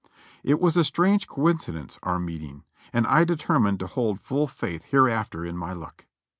It was a strange coincidence, our meeting; and I determined to hold full faith hereafter in my luck.